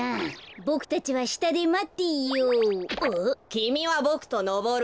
きみはボクとのぼるの。